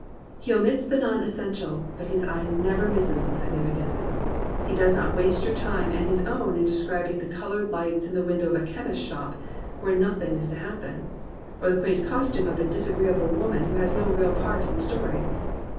He omits the non essen tial, but his eye never misses the significant. He does not waste your time and his own in describing the coloured lights in the window of a chemist's shop where nothing is to happen, or the quaint costume of a disagreeable woman who has no real part in the story.